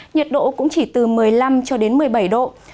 nhiệt độ cũng chỉ từ một mươi năm cho đến một mươi bảy độ